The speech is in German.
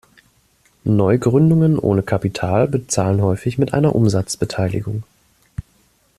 Neugründungen ohne Kapital bezahlen häufig mit einer Umsatzbeteiligung.